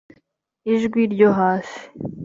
ijwi ryo hasi